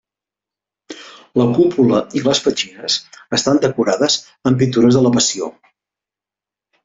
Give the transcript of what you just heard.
La cúpula i les petxines estan decorades amb pintures de la Passió.